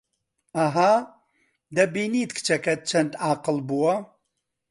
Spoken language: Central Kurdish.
ئەها، دەبینیت کچەکەت چەند ئاقڵ بووە